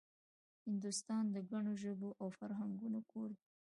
هندوستان د ګڼو ژبو او فرهنګونو کور دی